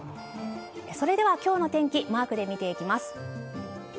それでは、きょうの天気、マークで見ていきます。